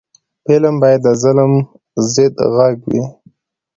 فلم باید د ظلم ضد غږ وي